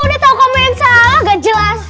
udah tahu kamu yang salah nggak jelas